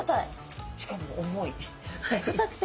しかも重い。